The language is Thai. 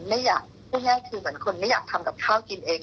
ไม่อยากพูดง่ายคือเหมือนคนไม่อยากทำกับข้าวกินเอง